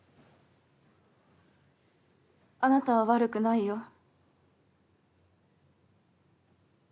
あなたは悪くないよ。